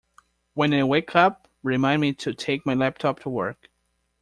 When I wake up, remind me to take my laptop to work.